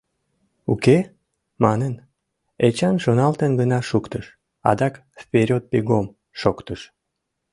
Уке?» манын, Эчан шоналтен гына шуктыш — адак «Вперёд, бегом!» шоктыш.